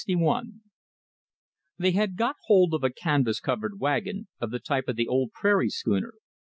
LXI They had got hold of a canvas covered wagon, of the type of the old "prairie schooner."